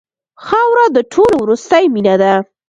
خاوره د ټولو وروستۍ مینه ده.